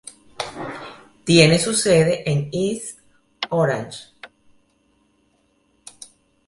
Tiene su sede en East Orange.